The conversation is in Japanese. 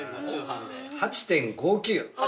８．５９。